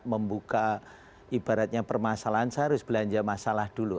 membuka ibaratnya permasalahan saya harus belanja masalah dulu